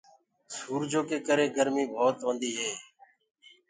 سورجو ڪي ڪري گآرمي ڀوت هي۔